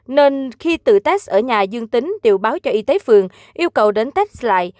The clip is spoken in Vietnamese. nên khi tự test ở nhà dương tính đều báo cho y tế phường yêu cầu đến test lại